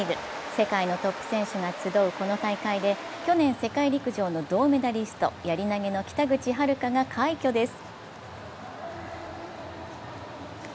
世界のトップ選手が集うこの大会で去年世界陸上の銅メダリスト、やり投げの北口榛花が快挙です。